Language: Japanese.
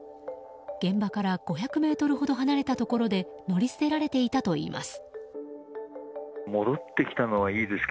現場から５００ｍほど離れたところで乗り捨てられていたといいます。